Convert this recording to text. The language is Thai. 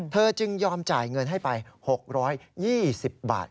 จึงยอมจ่ายเงินให้ไป๖๒๐บาท